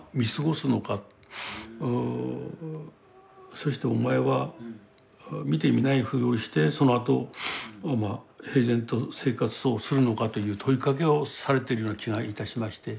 そしてお前は見て見ないふりをしてそのあと平然と生活をするのかという問いかけをされてるような気がいたしまして。